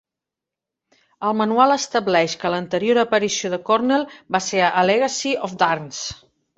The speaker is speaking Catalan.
El manual estableix que l'anterior aparició de Cornell va ser a Legacy of Darkness.